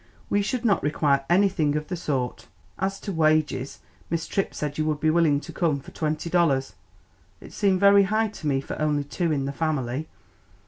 "We should not require anything of the sort. As to wages, Miss Tripp said you would be willing to come for twenty dollars. It seemed very high to me for only two in the family."